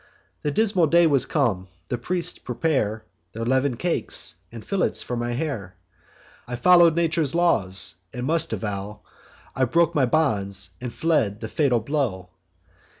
The dismal day was come; the priests prepare Their leaven'd cakes, and fillets for my hair. I follow'd nature's laws, and must avow I broke my bonds and fled the fatal blow.